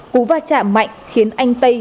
cú va chạm mạnh khiến anh tây